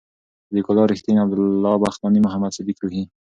صد یق الله رېښتین، عبد الله بختاني، محمد صدیق روهي